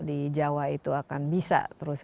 di jawa itu akan bisa terus